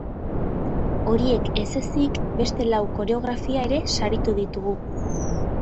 Horiek ez ezik, beste lau koreografia ere saritu ditugu.